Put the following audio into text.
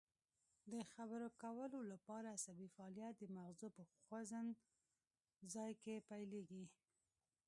د خبرو کولو لپاره عصبي فعالیت د مغزو په خوځند ځای کې پیلیږي